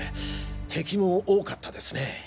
敵も多かったですね。